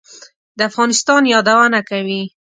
د افغانستان یادونه کوي.